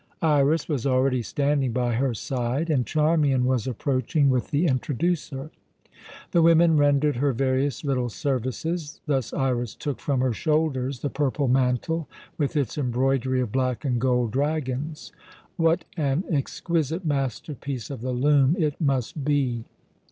Iras was already standing by her side, and Charmian was approaching with the "introducer." The women rendered her various little services: thus Iras took from her shoulders the purple mantle, with its embroidery of black and gold dragons. What an exquisite masterpiece of the loom it must be!